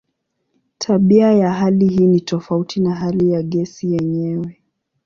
Tabia ya hali hii ni tofauti na hali ya gesi yenyewe.